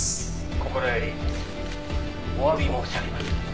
「心よりお詫び申し上げます」